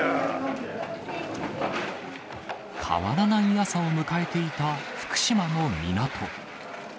変わらない朝を迎えていた福島の港。